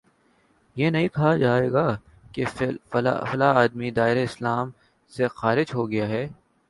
یہ نہیں کہا جائے گا کہ فلاں آدمی دائرۂ اسلام سے خارج ہو گیا ہے